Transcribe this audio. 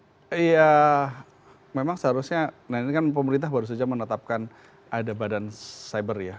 iya memang seharusnya nah ini kan pemerintah baru saja menetapkan ada badan cyber ya